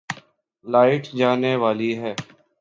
light جانے والی ہے